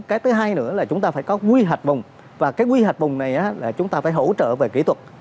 cái thứ hai nữa là chúng ta phải có quy hoạch vùng và cái quy hoạch vùng này là chúng ta phải hỗ trợ về kỹ thuật